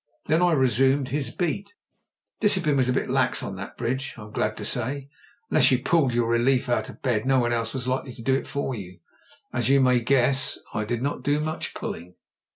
Then I resumed his beat. Dis cipline was a bit lax on that bridge^ I'm glad to say ; unless you pulled your relief out of bed no one else was likely to do it for you. As you may guess, I did not do much pulling.